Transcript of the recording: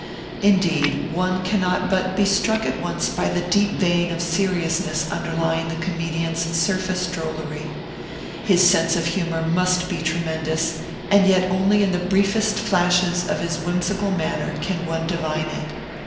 Indeed one cannot but be struck at once by the deep vein of seriousness underlying the comedian's surface drollery. His sense of humour must be tremendous; and yet only in the briefest flashes of his whimsical manner can one divine it.